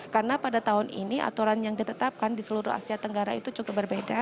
karena pada tahun ini aturan yang ditetapkan di seluruh asia tenggara itu cukup berbeda